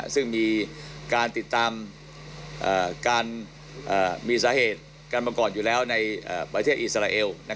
ซึ่งมีการติดตามการมีทราศน์เวลังประกอบอยู่แล้วในประเทศอิสริเอา